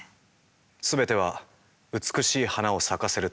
全ては美しい花を咲かせるため。